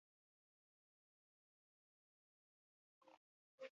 Ontzia zabala dela, baina edaria urria.